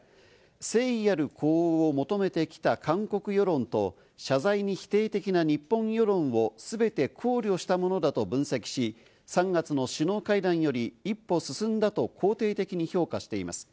誠意ある呼応を求めてきた韓国世論と謝罪に否定的な日本世論をすべて考慮したものだと分析し、３月の首脳会談より一歩進んだと、肯定的に評価しています。